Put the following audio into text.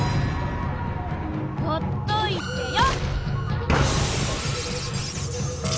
ほっといてよ！